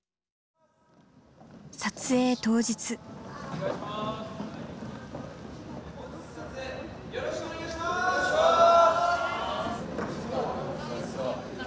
撮影よろしくお願いします。